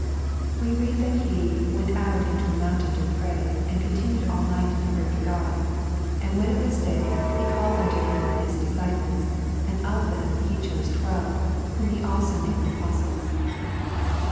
We read that He " went out into a mountain to pray, and continued all night in prayer to God. And when it was day. He called unto Him His disciples, and of them He chose twelve, whom also He named apostles."